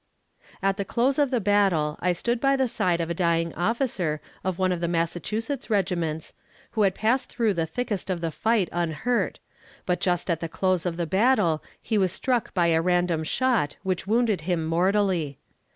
At the close of the battle I stood by the side of a dying officer of one of the Massachusetts regiments, who had passed through the thickest of the fight unhurt, but just at the close of the battle he was struck by a random shot which wounded him mortally.